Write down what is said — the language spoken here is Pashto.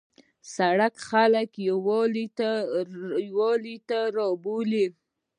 سړک خلک یووالي ته رابولي.